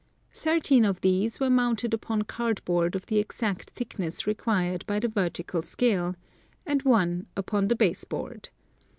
Thirteen of these were mounted upon card board of the exact thickness re quired by the vertical scale, and one upon the base board.